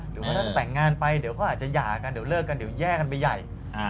หรือว่าถ้าจะแต่งงานไปเดี๋ยวก็อาจจะหย่ากันเดี๋ยวเลิกกันเดี๋ยวแย่กันไปใหญ่